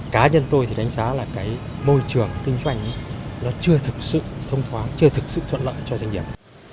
cá nhân tôi đánh giá là môi trường kinh doanh chưa thực sự thông thoáng chưa thực sự thuận lợi cho doanh nghiệp